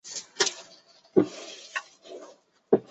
图巴朗是巴西圣卡塔琳娜州的一个市镇。